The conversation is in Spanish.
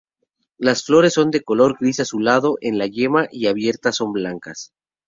Las flores son de color gris azulado en la yema y abiertas son blancas.